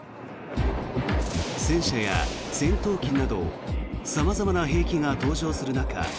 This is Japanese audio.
戦車や戦闘機など様々な兵器が登場する中